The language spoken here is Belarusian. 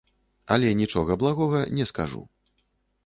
Але нічога благога не скажу.